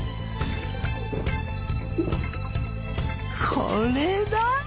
これだ！